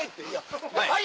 「はい」